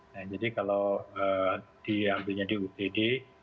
nah jadi kalau diambilnya di upd